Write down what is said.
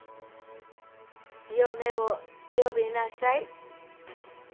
嫁を呼びなさい。